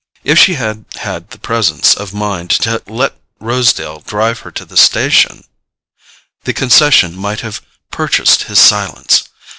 If she had had the presence of mind to let Rosedale drive her to the station, the concession might have purchased his silence.